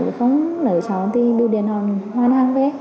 chứ không để cho công ty đưa điện hòn hoan hẳn với